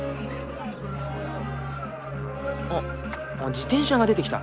自転車が出てきた。